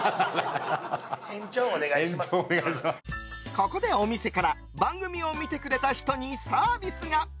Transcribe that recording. ここで、お店から番組を見てくれた人にサービスが。